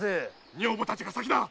女房たちが先だ！